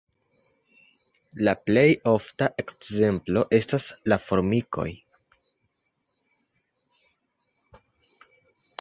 La plej ofta ekzemplo estas la formikoj.